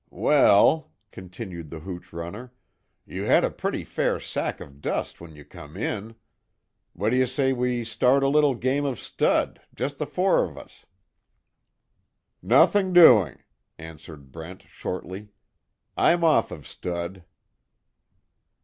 "Well," continued the hooch runner, "You had a pretty fair sack of dust when you come in. What d'you say we start a little game of stud jest the four of us?" "Nothing doing," answered Brent, shortly. "I'm off of stud."